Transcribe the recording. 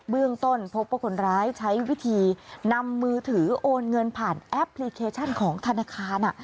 เรื่องต้นพบว่าคนร้ายใช้วิธีนำมือถือโอนเงินผ่านแอปพลิเคชันของธนาคาร